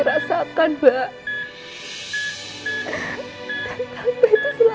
berikan buat tante dulu